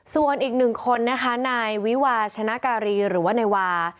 ส่วนอีกหนึ่งคนนะคะนายวิวาชนะการีหรือว่านายวา